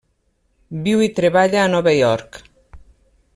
Viu i treballa a Nova York.